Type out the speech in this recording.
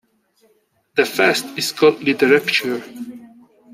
The fest is called Literapture.